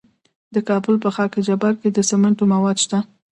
د کابل په خاک جبار کې د سمنټو مواد شته.